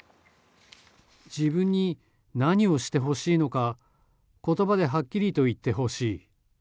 自分に何をしてほしいのか言葉ではっきりと言ってほしい。